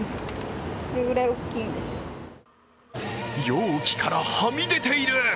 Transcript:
容器からはみ出ている！